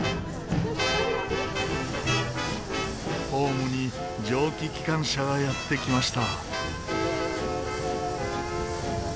ホームに蒸気機関車がやってきました。